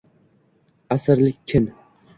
Asrlik kin